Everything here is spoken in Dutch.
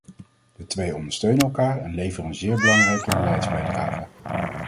De twee ondersteunen elkaar en leveren een zeer belangrijke beleidsbijdrage.